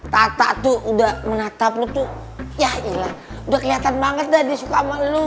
tata tuh udah menatap lo tuh ya ilah udah kelihatan banget dah dia suka sama lo